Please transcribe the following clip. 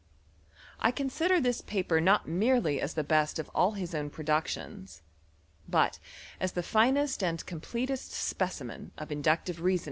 I consider this paper not mere best of all his own productions, but as the i completest specimen of inductive reason!